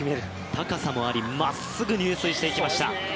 高さもありまっすぐ入水していきました。